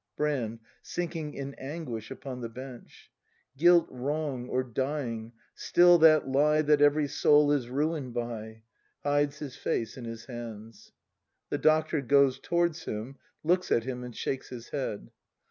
Brand. [Sinking in anguish upon the bench.] Guilt wrong or dying, still that lie That every soul is ruin'd by! [Hides his face in his hands. The Doctor. [Goes towards him, looks at him, and shakes his head.